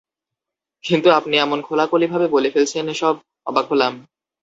কিন্তু আপনি এমন খোলাখুলি ভাবে বলে ফেলছেন এসব, অবাক হলাম।